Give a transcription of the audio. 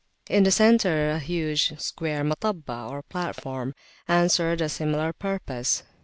In the centre a huge square Mastabah, or platform, answered a similar purpose.